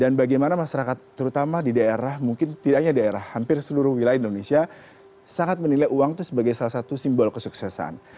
dan bagaimana masyarakat terutama di daerah mungkin tidak hanya daerah hampir seluruh wilayah indonesia sangat menilai uang itu sebagai salah satu simbol kesuksesan